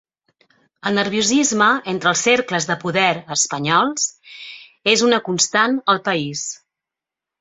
El nerviosisme entre els cercles de poder espanyols és una constant al país